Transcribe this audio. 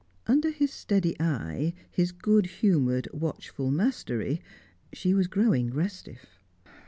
Under his steady eye, his good humoured, watchful mastery, she was growing restive.